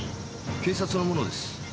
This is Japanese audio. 警察の者です。